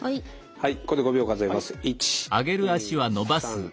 はい。